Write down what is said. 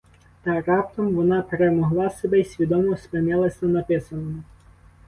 Та раптом вона перемогла себе й свідомо спинилась на написаному.